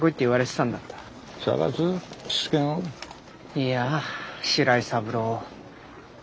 いや白井三郎を。